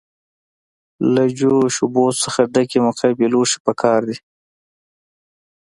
له جوش اوبو څخه ډک مکعبي لوښی پکار دی.